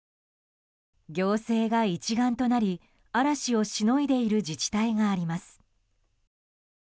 行政が一丸となり、嵐をしのいでいる自治体があります。